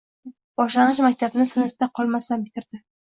Boshlang'ich maktabni sinfda qolmasdan bitirdi.